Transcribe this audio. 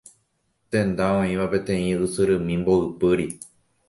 Tenda oĩva peteĩ ysyrymi mboypýri.